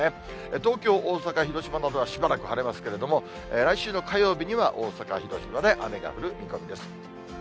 東京、大阪、広島などは、しばらく晴れますけれども、来週の火曜日には大阪、広島で雨が降る見込みです。